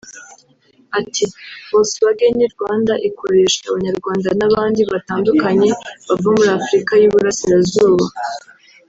Ati “Volkswagen Rwanda ikoresha Abanyarwanda n’abandi batandukanye bava muri Afurika y’i Burasirazuba